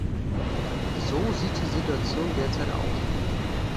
So sieht die Situation derzeit aus.